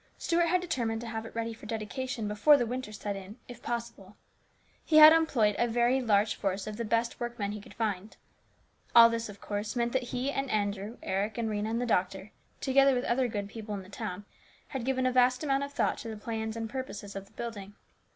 Stuart had determined to have it ready for dedication before the winter set in if possible. He had employed a very large force of the best workmen he could find. All this, of course, meant that he and Andrew, Eric and Rhena and the doctor, together with other good people in the town, had given a vast amount of STEWARDSHIP. 801 thought to the plans and purposes of the building.